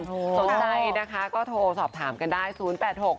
สนใจนะคะก็โทรสอบถามกันได้๐๘๖๓๒๗๐๒๗๑ในลงท้อ